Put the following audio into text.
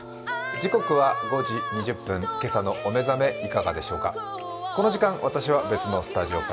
時刻は５時２０分今朝のお目覚めいかがでしょうか。